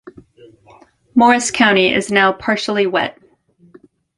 Morris County is now partially wet.